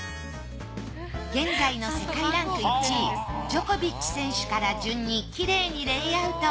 現在の世界ランク１位ジョコビッチ選手から順にきれいにレイアウト。